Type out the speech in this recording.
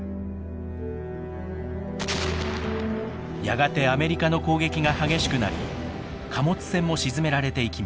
やがてアメリカの攻撃が激しくなり貨物船も沈められていきます。